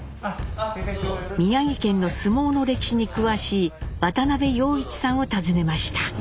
宮城県の相撲の歴史に詳しい渡辺洋一さんを訪ねました。